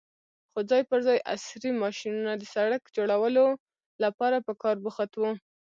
خو ځای پر ځای عصرې ماشينونه د سړک جوړولو لپاره په کار بوخت وو.